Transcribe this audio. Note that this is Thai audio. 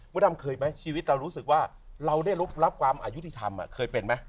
ดำเคยไหมชีวิตเรารู้สึกว่าเราได้รับความอายุติธรรมเคยเป็นไหม